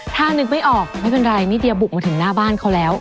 ถ้านึกไม่ออกไม่เป็นไรนี่เดียบุกมาถึงหน้าบ้านเขาแล้ว